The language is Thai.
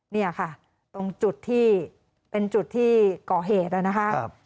นี่ค่ะตรงจุดที่เป็นจุดที่เกาะเหตุแล้วนะคะ